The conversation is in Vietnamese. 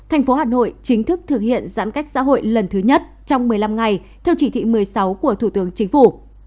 thành phố hà nội chính thức thực hiện giãn cách xã hội lần thứ nhất trong một mươi năm ngày theo chỉ thị một mươi sáu của thủ tướng chính phủ